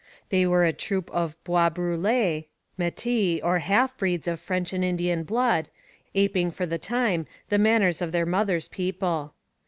They were a troop of Bois Brûlés, Métis, or half breeds of French and Indian blood, aping for the time the manners of their mothers' people.